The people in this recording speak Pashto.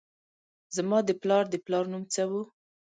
زما د پلار د پلار نوم څه و؟